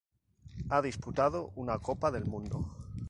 Ha disputado una Copa del Mundo.